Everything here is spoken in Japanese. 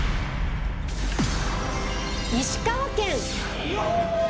石川県